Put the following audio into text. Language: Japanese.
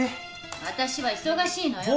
私は忙しいのよ。